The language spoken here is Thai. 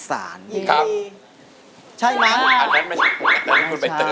ดาวมีไว้เบิ่ง